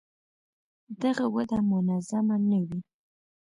دغه وده منظمه نه وي.